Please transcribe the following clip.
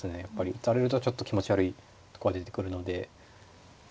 打たれるとちょっと気持ち悪いとこは出てくるので。